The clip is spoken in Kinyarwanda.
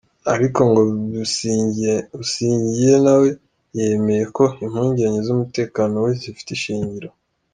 Ariko ngo Busingiye nawe yameye ko impungenge z'umutekano we zifite ishingiro.